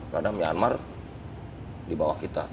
karena myanmar di bawah kita